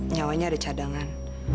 nyawanya ada cadangan